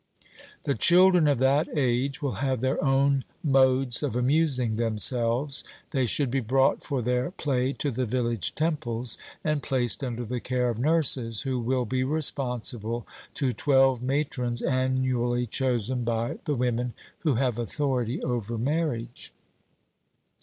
The children of that age will have their own modes of amusing themselves; they should be brought for their play to the village temples, and placed under the care of nurses, who will be responsible to twelve matrons annually chosen by the women who have authority over marriage.